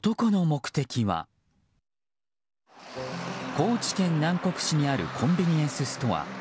高知県南国市にあるコンビニエンスストア。